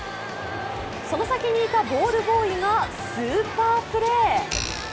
その先にいたボールボーイがスーパープレー。